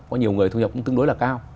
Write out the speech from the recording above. có nhiều người thu nhập cũng tương đối là cao